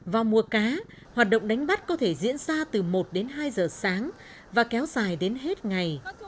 vào mùa cá hoạt động đánh bắt có thể diễn ra từ một đến hai giờ sáng và kéo dài đến hết ngày